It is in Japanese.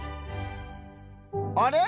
あれ？